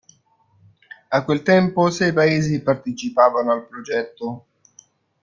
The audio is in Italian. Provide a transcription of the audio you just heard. A quel tempo sei paesi partecipavano al progetto.